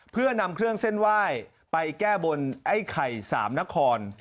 เพื่อนำเครื่องเส้นไหว้ไปแก้บนไอ้ไข่สามนคร